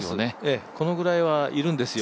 このぐらいはいるんですよ。